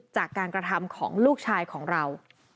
จากการกระทำของลูกชายของเรา